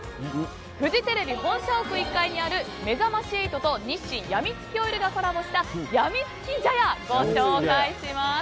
フジテレビ本社屋１階にある「めざまし８」と日清やみつきオイルがコラボしたやみつき茶屋をご紹介します。